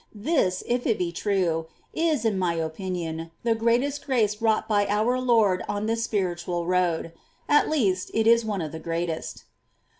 This, if it be real, is, in my opinion, the greatest grace Avrought by our Lord on this spiritual road, — at least, it is one of the greatest.